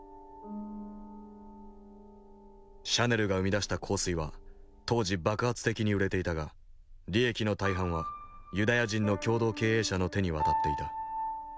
シャネルが生み出した香水は当時爆発的に売れていたが利益の大半はユダヤ人の共同経営者の手に渡っていた。